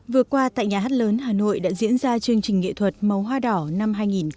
vừa qua tại nhà hát lớn hà nội đã diễn ra chương trình nghệ thuật màu hoa đỏ năm hai nghìn một mươi chín